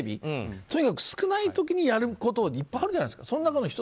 とにかく少ない時にやることいっぱいあるじゃないですか。